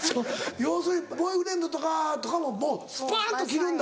要するにボーイフレンドとかももうスパンと切るんだ。